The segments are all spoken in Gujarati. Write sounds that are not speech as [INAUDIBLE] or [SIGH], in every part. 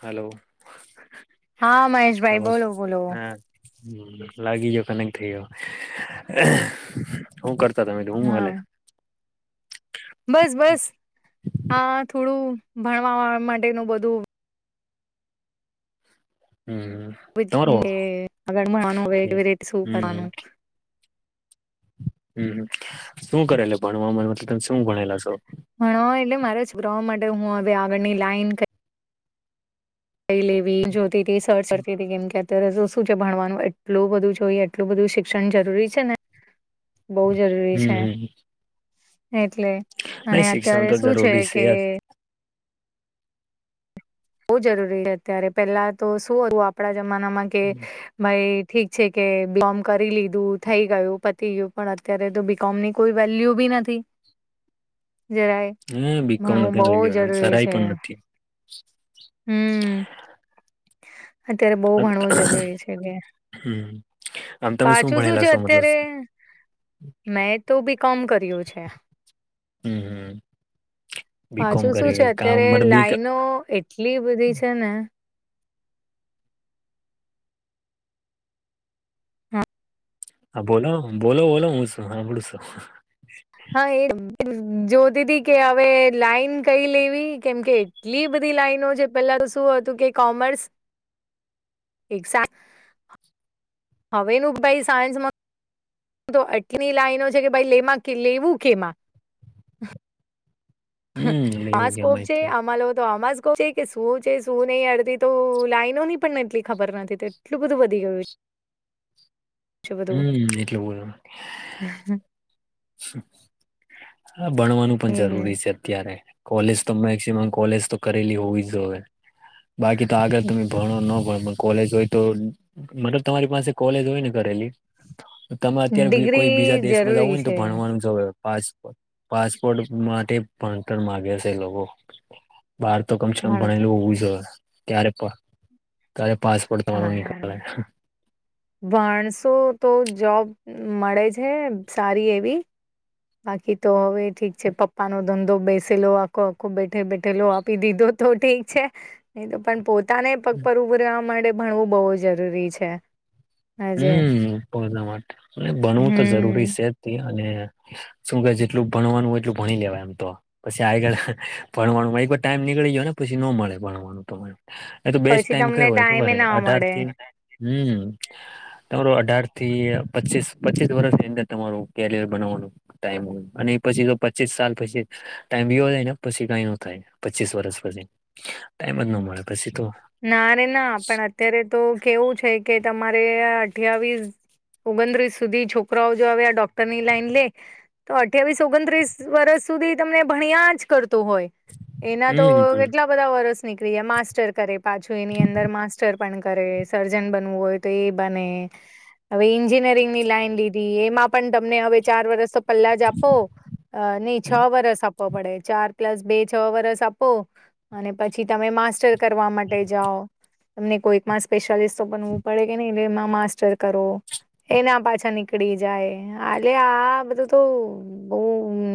હલો હા મહેશભાઈ નમસ્ બોલો બોલો હા. લાગી ગયો કનેક્ટ થઈ ગયો. શું કરતા તમે તો હું હા હાલે. બસ બસ આ થોડું ભણવા માટેનું બધું હમ. તમારો [UNINTELLIGIBLE] આગળ ભણવાનું હવે કેવી રીતે શું હમ કરવાનું. હમ શું કરેલા ભણવામાં મતલબ તમે શું ભણેલા છો. ભણવા એટલે મારા [UNINTELLIGIBLE] માટે હું હવે આગળની લાઈન એ લેવી જોતી તી સર્ચ કરતી હતી ગેમ અત્યારે તો શું ભણવાનું એટલું બધું જોઈએ એટલું બધું શિક્ષણ જરૂરી છે ને બઉ જરૂરી છે હમ એટલે. અને નહી શિક્ષણ અત્યારે તો શું છે જરૂરી કે યાર બવ જરૂરી છે અત્યારે પેલા તો શું હતું આપણા જમાનામાં કે માઈ ઠીક છે કે [UNINTELLIGIBLE] કરી લીધું થઈ ગયું પતી ગયું પણ અત્યારે તો બી કોમ ની કોઈ વેલ્યુ બી નથી જરાય. હ બીકોમ ભણવું નથી બવ લઈ ગયો જરૂરી સરાય છે. પણ નથી હમ અત્યારે બહુ ભણવું જરૂરી છે કે. હમ આમ તમે પાછું શું ભણેલા છે છો મતલબ અત્યારે મેં તો બી કોમ કર્યું છે. હમ હમ. બીકોમ પાછું શું છે કરી કામ અત્યારે મત બી લાઈનો એટલી બધી છે ને બોલો બોલો બોલો હું સાંભળું છું. હા એ જોતી હતી કે હવે લાઈન કઈ લેવી કેમ કે એટલી બધી લાાઈનો જે પેલા તો શું હતું કે કોમર્સ એક્ઝામ હવે નું ભાઈ સાયન્સમાં તો એટલી લાઈનો છે કે ભાઈ લેમાં કે લેવું કેમાં. હમ એટલે આ એવું સ્કોપ છે કેમ આમા લોકો તો આમાં જ છે કે શું છે શું નહી અડધી તો લાઈનો ની પણ એટલી ખબર નથી તો એટલું બધું વધી ગયું છે. બધું. હમ એટલું [UNINTELLIGIBLE] [INAUDIBLE] હા ભણવાનું પણ એજ ને જરૂરી છે. અત્યારે કોલેજ તો મેક્સિમમ કોલેજ તો કરેલી હોવી જોઈએ. બાકી તો આગળ તમે ભણો ન ભણો પણ કોલેજ હોય તો મતલબ તમારી પાસે કોલેજ હોય ને કરેલી તમે અત્યારે બી કોઈ ડિગ્રી બીજા દેશમાં જાવું જરૂરી હોય ને તો છે પાસપ પાસપોર્ટ માટે ભણતર માગે છે એ લોકો. બાર તો કમ સે કમ ભણતર ભણેલું હોવું જોઈએ ત્યારે પણ [UNINTELLIGIBLE] [INAUDIBLE] ભણસો તો જોબ મળે છે સારી એવી. બાકી તો હવે ઠીક છે પપ્પાનો ધં ધો બેસેલો આખો આખો બેઠે બેઠેલો આપી દીધો તો ઠીક છે નહિ તો પણ પો તાને પગ પર ઊભું રેવા માટે ભણવું બહુ જરૂરી છે. આજે હમ્મ, બધા માટે અને ભણવું તો હમ જરૂરી સે જ અને શું કે જેટલું ભણવાનું એટલું ભણી લેવાય એમ તો. પછી [UNINTELLIGIBLE] ભણવાનું એક વાર ટાઈમ નીકળી ગયો ને પછી નો મળે ભણવાનું તમને. એ તો બેસ્ટ પછી ટાઈમ તમને કયો હોય ખબર ટાઈમે હે ના મળે અઢારથી હમ્મ. તમારો અઢારથી પચીસ પચીસ વર્ષની અંદર તમારું કેરિયર બનાવવાનું ટાઈમ હોય અને એ પછી તો પચીસ સાલ પછી ટાઈમ વીયો જાય ને પછી કઈ ન થાય પચીસ વરષ પછી ટાઈમ જ ના મળે પછી તો. ના રે ના પણ અત્યારે તો કેવું છે કે તમારે અઠયાવીસ ઓગણત્રીસ સુધી છોકરાઓ જો હવે આ ડોક્ટરની લાઈન લે તો અઠ્યાવીસ ઓગણત્રીસ વર્ષ સુધી તમને ભણ્યા જ કરતું હોય એના તો હમ કેટલા બધા વર્ષ નીકળી જાય માસ્ટર કરે પાછું એની અંદર માસ્ટર પણ કરે સર્જન બનવું હોય તો એ બને હવે એન્જિનિયરિંગની લાઈન લીધી એમાં પણ તમને હવે ચાર વર્ષ તો પલ્લા જ આપો અ નહી છ વરસ આ પવો પડે ચાર પ્લસ બે છ વરસ આપો અને પછી તમે માસ્ટર કરવા માટે જાઓ. તમને કોઈકમાં સ્પેશિયાલિસ્ટ તો બનવું પડે કે નહીં [UNINTELLIGIBLE] એમાં માસ્ટર કરો એના પાછા નીકળી જાય આલ્યા આ બધું તો બઉ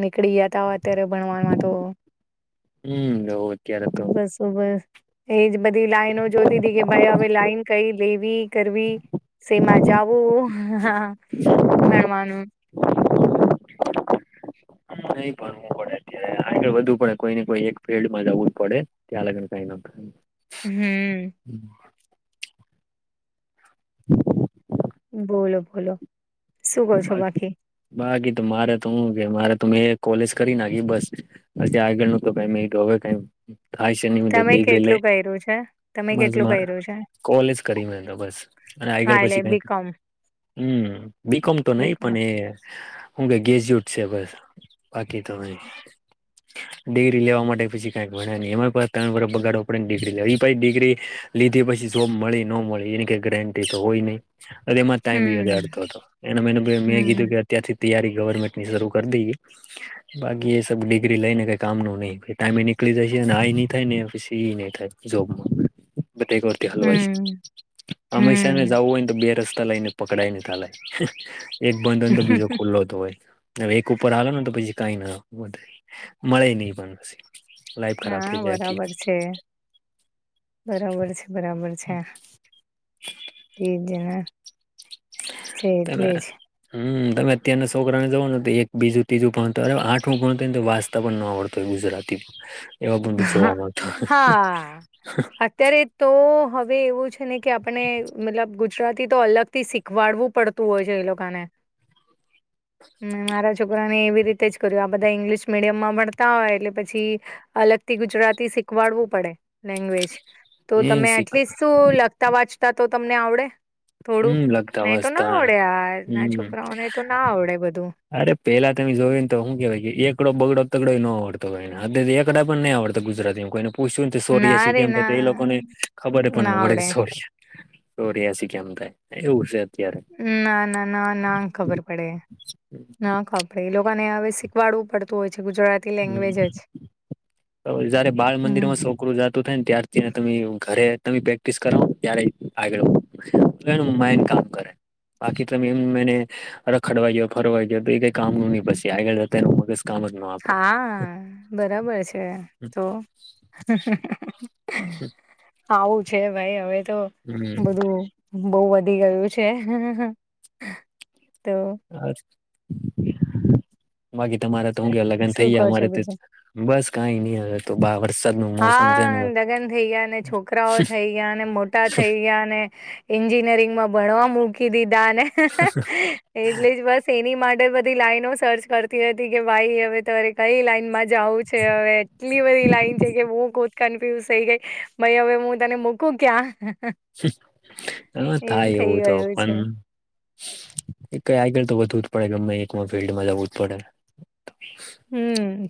નીકળી ગયાતા અત્યારે ભણવામાં તો હમ્મ [UNINTELLIGIBLE] બસો બસ એજ બધી લાઈનો જોતી હતી કે ભાઈ હવે લાઈન કઈ લેવી, કરવી સેમા જાવું, ભણવાનું હમ્મ નઈ, ભણવું પડે અત્યારે આગળ વધુ પડે કોઈને કોઈ એક ફિલ્ડમાં જવું જ પડે ત્યાં [UNINTELLIGIBLE] કઈ ન હમ્મ. હમ્મ. [INAUDIBLE] બોલો બોલો, શું કોછો બાકી? બાકી તો મારે તો હું કે મારે મેં કોલેજ કરી નાખી બસ હજી આગળનું તો ભાઈ મેં તો હવે કઈ [UNINTELLIGIBLE] ની મેં તો તમે ડિગ્રી લઈ કેટલું કર્યું છે તમે કેટલું મજમાં કર્યું છે કોલેજ કરી મેં તો બસ અને આગળ હા એટલે પછી કઈક બીકોમ હમ્મ. બીકોમ તો નહી બીકોમ પણ એ હું કે ગ્રેજુટ છે બસ બાકી તો [INAUDIBLE] ડિગ્રી લેવા માટે પછી કઈક ભણે નહિ એમાં પાહ ત્રણ વર્ષ બગળવા પડ ડિગ્રી લે ઈ પાહિ ડિગ્રી લીધી પછી જોબ મળી નો મળી એની કઈ ગેરંટી તો હોય નહી. અતે એમાં ટાઈમ વીયો જાય હમ અડધોતો એના [UNINTELLIGIBLE] મેં કીધું હમ કે અત્યારથી જ તૈયારી ગવર્મેન્ટની શરૂ કરી દઈએ બાકી એ સબ ડિગ્રી લઈ ને કઈ કામનું નઈ ટાઈમે નીકળી જાયશે અને આઈ નઈ થાય ને પસી ઈ નઈ થાય. જો [UNINTELLIGIBLE] હલવાય હમ છે અમેશા ને હમ જવું હોય ને તો બે રસ્તા લઈ ને પકડાઈને હાલે એક બંદ હોયન તો બીજો ખુલ્લો તો હોય. હવે એક ઉપર હાલો ને તો પછી કઈ ના વધે મળે નહી પણ પસી હા બરાબર છે બરાબર બરાબર છે તે જ ને સાચે તમે એટલે જ હમ તમે અત્યારના છોકરાને જવાનું તો એક બીજું ત્રીજું ભણું આઠમું ભણતું વા તા પણ ન આવડતુ ગુજરાતી [INAUDIBLE] એવા બધું જોવા હા મળતા હા અત્યારે તો હવે એવું છે ને કે આપણે મતલબ ગુજરાતી તો અલગ થી શીખવાડવું પડતું હોય છે એ લોકોને મે મારા છોકરા ને એવી રીતે જ કર્યું આ બધા ઈંગ્લિશ મીડિયમમાં ભાણતા હોય એટલે પછી અલગ ગુજરાતી શીખવાડવું પડે લેંગ્વેજ તો એ તમે શીખ એટલીસ્ટ શું લ વાંચતા તો તમને આવડે થોડું.. હમ લગતા નઇતો ના વાંચતા આવડે આ આ હમ છોકરાઓને તો ના આવડે બધું. અરે પેલા તમે જોયુ ને તો હું કેવાય કે એકડો બગડો તગડોય ન આવડતો હોય ને [INAUDIBLE] એકડા પણ નહીં આવડતો ગુજરાતી માં કોઈને પૂછ્યું તો ના સોર્યાસી રે કેમ થાય તે ના એ લોકોને ખબરે પણ ના ન પડે કે આવડે સોર્યાસી ચોર્યાસી કેમ થાય... એવું છે અત્યારે ના ના.. ન ના ખબર પડે ના કપડે [INAUDIBLE] એ લોકોને હવે શીખવાડવું પડતું હોય છે ગુજરાત હમ.. તો જયારે બાળ હમ મંદિરમાં સૌ છોકરું જાતું થાય ને ત્યારથી ન એને ઘરે તમે પ્રેક્ટિસ કરાવોને ત્યારે ઇ આગળ વધે [INAUDIBLE] નું માઇન્ડ કામ કરે બાકી તમે એમ મને રખડવા ગયો ફરવા ગયો તો એ કઈ કામ નુ નહી પછી આગળ જતા એનું મગજ કામ જ નો આપે હા બરાબર છે તો.. હ અ હ અ હ હ હ [INAUDIBLE] આવું છે ભાઈ હવે તો બધું બો વધી ગયું છે.. હ અ હ તો હ [UNINTELLIGIBLE] બાકી તમારા તો હુ કેય [INAUDIBLE] લગ્ન થઈ શું કહો ગયા છો અમારે તો બીજું? બસ કઈ નહી હવે તો બહાર વરસાદ ન [INAUDIBLE] હા લગન થઈ ગયા ને છોકરાઓ થઈ ગયા ને મોટા થઈ ગયા ને એન્જિનિયરિંગ માં ભણવા મૂકી દીધાને હે હે હે હે એટલે જ બસ એની માટે બધી લાઈનો સર્ચ કરતી હતી કે ભાઈ હવે તરે કઈ લાઈન માં જ જવું છે હવે એટલી બધી લાઈન હુ ખુદ કન્ફ્યુઝ થઈ ગઈ ભઇ હવે હું તને મૂકું ક્યાં હે હે હે હા થાય એવું તો ગયું છે પણ ક [INAUDIBLE] આગળ તો વધવું જ પડે ગમે એક ફિલ્ડમાં જવું જ પડે હમ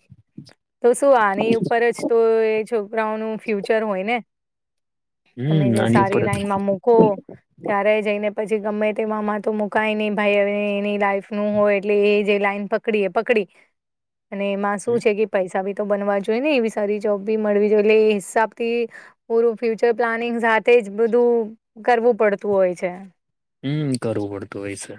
તો શું આની ઉપર જ તો એ છોકરાઓ નુ ફ્યુચર હોય ને તમે હમ જે આની સારી ઉપર લાઈનમાં મૂકો ત્યારે જઈને પછી ગમે તેમા મા તો મુકાય નહી ભાઈ એની લાઈફ નું હોય એટલે એ જે લાઈન પકડી એ પકડી અને એમાં શું છે કે પૈસા બી તો બનવા જોઈએ ને એવી સારી જોબ બી મળવી જોઈએ એટલે એ હિસાબથી પૂરું ફ્યુચર પ્લાનિંગ સાથે જ બધું કરવું પડતું હોય છે. હમ કરવું પડતું હોય છે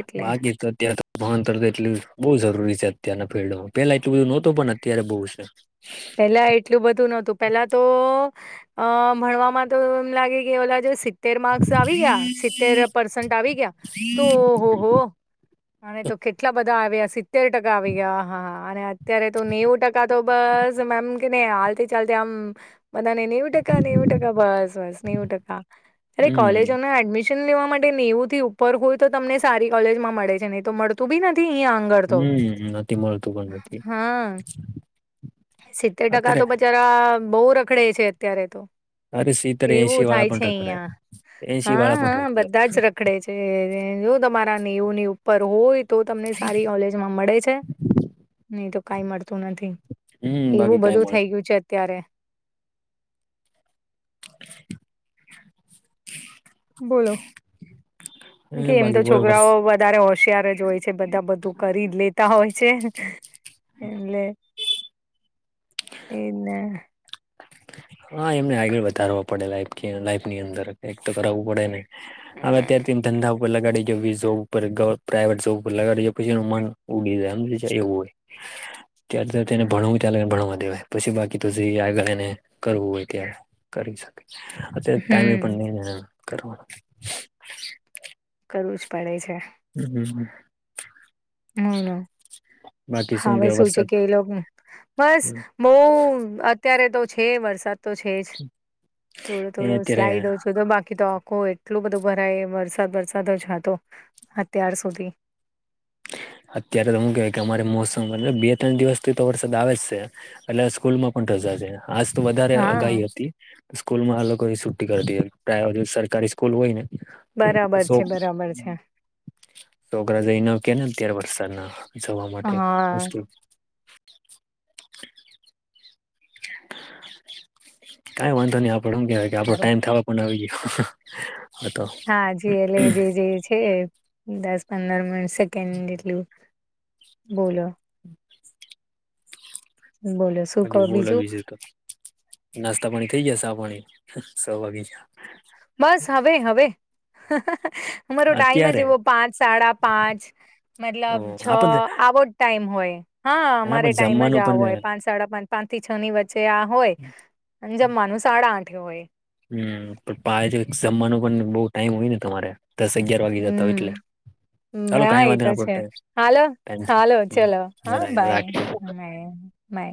એટલે બાકી તો અત્યાંરે તો ભણતર તો એટલે બહુ જરૂરી છે અત્યારના ફિલ્ડમાં પેલા એટલું બધું નહોતું પણ અત્યારે બહુ છે પેલા એટલું બધું નતું પેલા તો અ.. ભણવામાં તો એમ લાગે કે ઓ જો [INAUDIBLE] માર્ક્સ આવી ગયા સિતતેર પર્સેન્ટ આવી ગયા તોહ ઓ હો હો આને તો કેટલા બધા આવ્યા સર [INAUDIBLE] ટકા આવી ગયા હા હા અને અત્યારે તો નેવું ટકા તો બસ એમ એમ કેય ને હાલતી ચાલતી આમ બધા ને નેવું ટકા નેવું ટકા બસ બસ નેવું ટકા અરે હમ કોલેજોને એડમિશન લેવા માટે નેવું થી ઉપર હોય તો તમને સારી કોલેજમાં મળે છે નહી તો મળ મળતું બી નથી અઈયા હમ.. નથી મળતું પણ નથી સિત્તેર ટકા તો અત્યારે બચારા બહુ રખડે છે અત્યારે તો અરે સિત્તેર એવું એસી વાળા થાય પણ છે રખડે અહિયા એસી હા વાળા પણ હા રખડે બધા જ ર પકડે છે [INAUDIBLE] જો તમારા નેવુ ની ઉપર હોય તો તમને સારી કોલેજમાં મળે છે. નહી તો કઈ મળતું નથી. હમ એવું બાકી કઈ બધું થઇ ગયું છે અત્યારે. બોલો કે મળે એમ તો બાકી બોલો વર્ષ છોકરાઓ વધ વધારે હોશિયાર જ હોય છે. બધા બધું કરી જ લેતા હોય છે એટલે એજ ને હા એમને આગળ વધારવા પડે લાઈફ કી લાઈફની અંદર કઈક તો કરાવવું પડે ને. હવે અત્યારે તો એમ ધંધા ઉપર લગાડી, [UNINTELLIGIBLE] જોબ ઉપર પ્રાઈવેટ જોબ ઉપર લગાડી પછી એનું મન ઉડી જાય હમજી એવું હોય. ત્યારે તેને ભણું ત્યારે ભણવા દેવાય પછી બાકી તો જે આગળ એને કરવું હોય ત્યારે કરી શકે અત્યારે ટાઈમે પણ હમ નહી ને કરવા કરવું જ પડે છે. હમ હમ બોલો હવે શું છે કે એ લોકો બસ બહુ અત્યારે તો છે વરસાદ તો છે જ. થોડો એ થોડો અત્યારે સ્લાઈડ ઓછો તો બાકી તો આખો એ એટલું બધું ભરાય વરસાદ વરસાદ જ હતો અત્યાર સુધી. અત્યારે તો હું કેહય કે અમારે મોસમ બદલાય બે ત્રણ દિવસ થી તો વરસાદ આવે જ છે. એટલે સ્કૂલમાં પણ રજા છે. આજ તો વધારે હા અગાહી હતી. પણ સ્કૂલમાં આ લોકોએ છુટ્ટી કરી દી હતી ત્યાં હજુ સરકારી સ્કૂલ હોયને તે બરાબર સો છે બરાબર છે છોકરા જઈ ન હકે ને અત્યારે વરસાદના જવા માટે હા મુશ્કેલ કાઈ વાંધો નહી આપણે હું કેવાય કે આપડો સારું ટાઈમ થવા પણ આવી ગયો. હતો હા જે એલજેજે છે એ દસ પંદર મિનિટ સેકન્ડ એટલું બોલો. બોલો શું બાકી બોલે બીજું તો નાસ્તા પાણી થઈ ગયા ચા પાણી છે વાગી ગયા. બસ હવે હવે. અમારો ટાઈમ જ અત્યારે એવો પાંચ સાડા પાંચ, મતલબ છ આપણ આવો જ ટાઈમ હોય. હા અમારે પણ ટાઈમ જ જમવાનું આવો હોય પણ પાંચ સાડા પાંચ પાંચ થી છ ની વચ્ચે આ હોય. અને જમવાનું સાડા આઠે હોય. હમ પણ પાસે છે જમવાનું પણ બહુ ટાઈમ હોય ને તમારે દસ અગિયાર વાગી જતા હોય એટલે હમ ચાલો હા કઈ વાંધો એતો આપડો છે. ટાઈમ હાલો હાલો થઈ ચલો હા બાય રાખ મેં